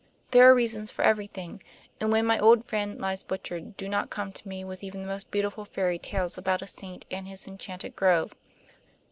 There are reasons for everything, and when my old friend lies butchered do not come to me with even the most beautiful fairy tales about a saint and his enchanted grove."